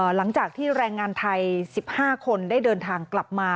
หลังจากที่แรงงานไทย๑๕คนได้เดินทางกลับมา